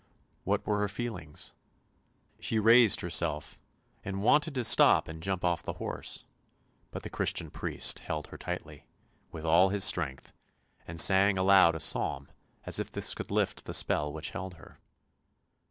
What were her feelings? She raised herself, and wanted to stop and jump off the horse, but the Christian priest held her tightly, with all his strength, and sang aloud a psalm as if this could lift the spell which held her.